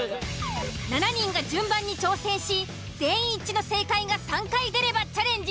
７人が順番に挑戦し全員一致の正解が３回出ればチャレンジ